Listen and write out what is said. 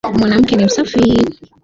Mwanamke ni msafi